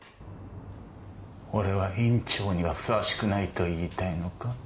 俺は院長にはふさわしくないと言いたいのか？